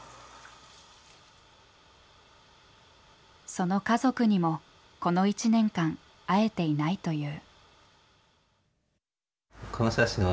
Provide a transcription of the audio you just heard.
その家族にもこの１年間会えていないという。